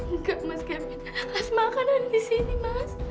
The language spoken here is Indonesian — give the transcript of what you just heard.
enggak mas kevin asma akan ada di sini mas